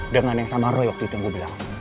dengan yang sama roy waktu itu gue bilang